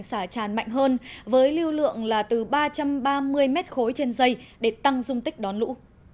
xả tràn mạnh hơn với lưu lượng là từ ba trăm ba mươi mét khối trên dây để tăng dung tích đón lũ